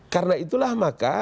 karena itulah maka